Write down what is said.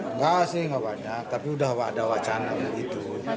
enggak sih enggak banyak tapi udah ada wacana gitu